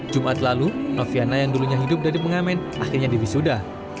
jumat lalu noviana yang dulunya hidup dari pengamen akhirnya diwisuda